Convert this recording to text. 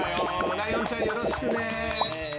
ライオンちゃんよろしくね。